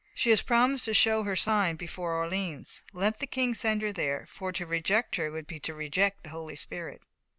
She has promised to show her sign before Orleans: let the King send her there, for to reject her would be to reject the Holy Spirit.